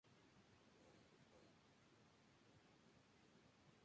Está claro que el exilio ha hecho que Omega haya perdido el juicio.